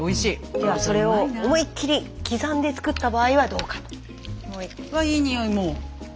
ではそれを思いっきり刻んで作った場合はどうか。